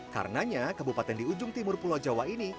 karena kebupatan di ujung timur pulau jawa ini